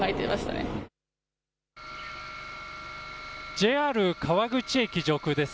ＪＲ川口駅上空です。